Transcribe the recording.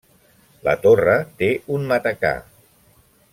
La torre té un matacà.